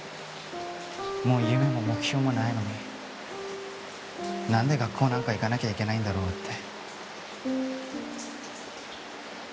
もう夢も目標もないのに何で学校なんか行かなきゃいけないんだろうって。